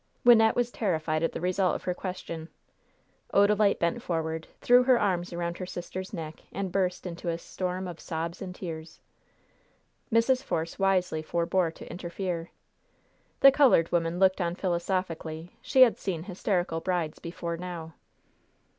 Wynnette was terrified at the result of her question. Odalite bent forward, threw her arms around her sister's neck, and burst into a storm of sobs and tears. Mrs. Force wisely forbore to interfere. The colored woman looked on philosophically. She had seen hysterical brides before now.